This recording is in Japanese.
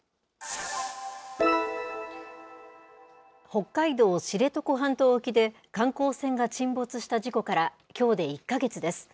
北海道知床半島沖で、観光船が沈没した事故からきょうで１か月です。